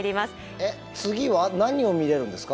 えっ次は何を見れるんですか？